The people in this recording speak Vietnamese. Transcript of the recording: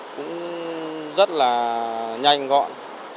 cũng rất là nhanh gọn